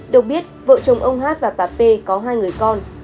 được biết vợ chồng ông hát và bà p có hai người con